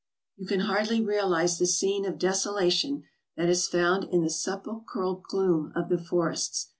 You can hardly realize the scene of desolation that is found in the sepulchral gloom of the forests.